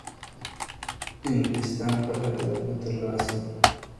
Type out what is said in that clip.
انگلیسان خپل هدف نه ترلاسه کړ